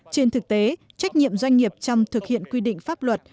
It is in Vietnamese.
trên thực tế trách nhiệm doanh nghiệp trong thực hiện quy định pháp luật